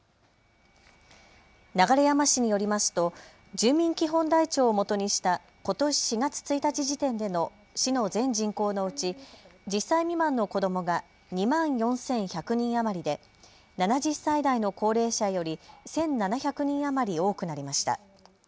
流山市によりますと住民基本台帳をもとにしたことし４月１日時点での市の全人口のうち１０歳未満の子どもが２万４１００人余りで７０歳台の高齢者より１７００人余り多くなりました。